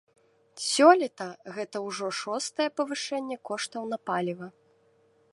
Сёлета гэта ўжо шостае павышэнне коштаў на паліва.